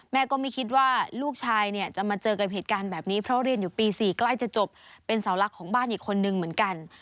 ก็ไม่คิดว่าลูกชายเนี่ยจะมาเจอกับเหตุการณ์แบบนี้เพราะเรียนอยู่ปี๔ใกล้จะจบเป็นเสาหลักของบ้านอีกคนนึงเหมือนกัน